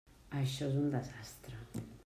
Això és un desastre.